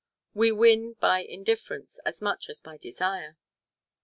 We win by indifference as much as by desire.